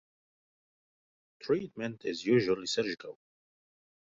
Treatment is usually surgical.